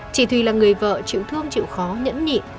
chị thùy là người vợ chịu thương chịu khó nhẫn nhị